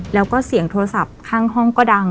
แล้วก็เสียงโทรศัพท์ข้างห้องก็ดัง